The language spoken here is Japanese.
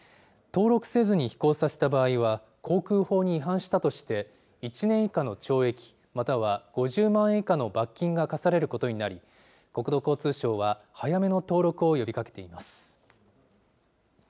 登録せずに飛行させた場合は、航空法に違反したとして、１年以下の懲役または５０万円以下の罰金が科されることになり、国土交通省は、早めの登録を呼びかけています。